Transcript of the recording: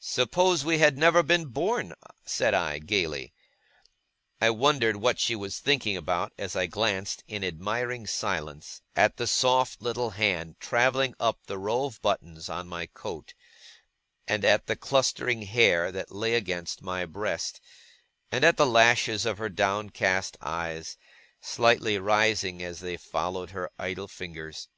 'Suppose we had never been born!' said I, gaily. I wondered what she was thinking about, as I glanced in admiring silence at the little soft hand travelling up the row of buttons on my coat, and at the clustering hair that lay against my breast, and at the lashes of her downcast eyes, slightly rising as they followed her idle fingers.